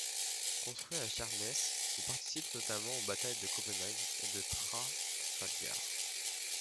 Construit à Sheerness, il participe notamment aux batailles de Copenhague et de Trafalgar.